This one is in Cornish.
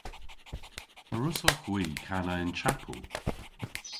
A wrussowgh hwi kana y'n chapel?